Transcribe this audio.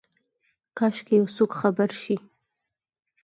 کاشکي یوڅوک خبر شي،